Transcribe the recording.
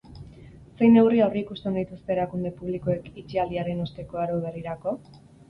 Zein neurri aurreikusten dituzte erakunde publikoek itxialdiaren osteko aro berrirako?